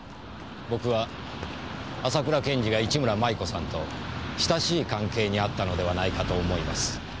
僕は浅倉検事が市村麻衣子さんと親しい関係にあったのではないかと思います。